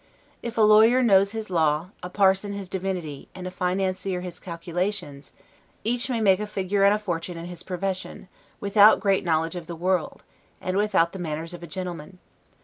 If a lawyer knows his law, a parson his divinity, and a financier his calculations, each may make a figure and a fortune in his profession, without great knowledge of the world, and without the manners of gentlemen.